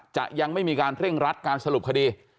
จะยังไม่มีการเร่งรัดการสรุปคดี